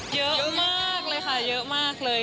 เยอะมากเลยค่ะเยอะมากเลย